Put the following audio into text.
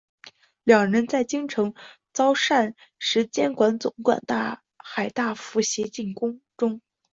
两人在京城遭尚膳监总管海大富擒进宫中。